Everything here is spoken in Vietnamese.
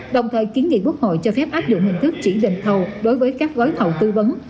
đồng thời kiến nghị quốc hội cho phép áp dụng hình thức chỉ định thầu đối với các gói thầu tư vấn